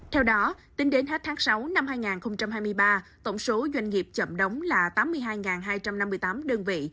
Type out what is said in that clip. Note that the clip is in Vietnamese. theo đó tính đến hết tháng sáu năm hai nghìn hai mươi ba tổng số doanh nghiệp chậm đóng là tám mươi hai hai trăm năm mươi tám đơn vị